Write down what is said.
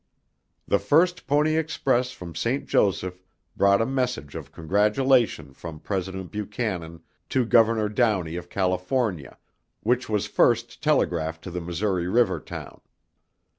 The first Pony Express from St. Joseph brought a message of congratulation from President Buchanan to Governor Downey of California, which was first telegraphed to the Missouri River town.